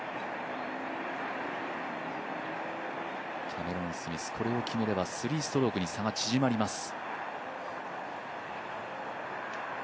キャメロン・スミス、これを決めれば３ストロークに差が縮まります。